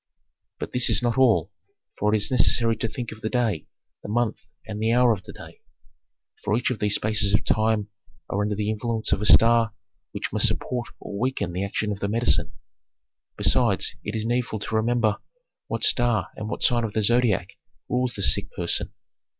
"But this is not all, for it is necessary to think of the day, the month, and the hour of the day, for each of these spaces of time are under the influence of a star which must support or weaken the action of the medicine. Besides, it is needful to remember what star and what sign of the Zodiac rules the sick person.